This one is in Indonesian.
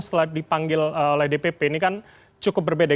setelah dipanggil oleh dpp ini kan cukup berbeda